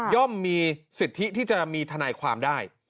มีสิทธิที่จะมีทนายความได้